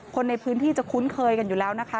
คนในพื้นที่จะคุ้นเคยกันอยู่แล้วนะคะ